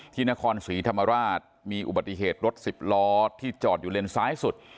ที่นครศรีธรรมราชมีอุบัติเหตุรถสิบล้อที่จอดอยู่เลนซ้ายสุด